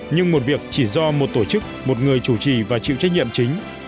nhưng một việc chỉ do một tổ chức một người chủ trì và chịu trách nhiệm chính